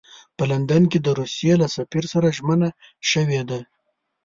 په لندن کې د روسیې له سفیر سره ژمنه شوې ده.